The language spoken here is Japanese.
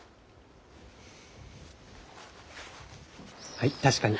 はい確かに。